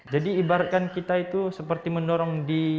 jadi ibaratkan kita itu seperti mendorong di